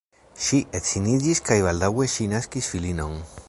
Ŝi edziniĝis kaj baldaŭe ŝi naskis filinon.